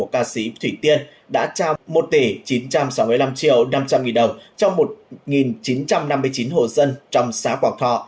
ca sĩ thủy tiên đã trao một tỷ chín trăm sáu mươi năm triệu năm trăm linh nghìn đồng cho một chín trăm năm mươi chín hộ dân trong xã quảng thọ